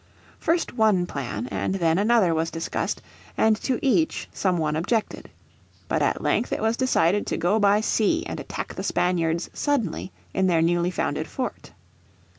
First one plan and then another was discussed, and to each some one objected. But at length it was decided to go by sea and attack the Spaniards suddenly in their newly founded fort.